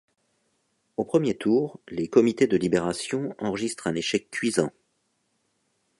Au premier tour, les Comités de Libération enregistrent un échec cuisant.